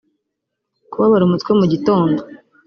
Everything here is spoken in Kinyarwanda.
kubabara umutwe mu gitondo